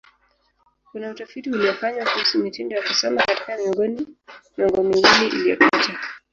Kuna utafiti uliofanywa kuhusu mitindo ya kusoma katika miongo miwili iliyopita.